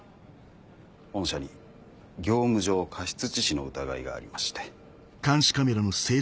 御社に業務上過失致死の疑いがありまして。